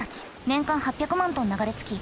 年間８００万トン流れ着き